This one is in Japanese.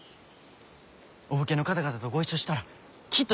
お武家の方々とご一緒したらきっと丈夫になります。